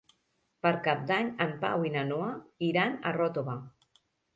Per Cap d'Any en Pau i na Noa iran a Ròtova.